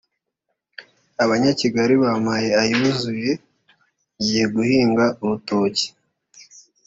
abanyakigali bampaye ayuzuye ngiye guhinga urutoki’